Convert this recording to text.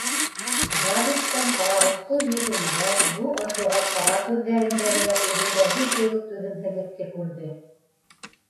Давидтың ҡарағусҡыл йөҙөндә, ҙур асылған ҡара күҙҙәрендә лә үҙендәге кеүек түҙемһеҙлекте күрҙе.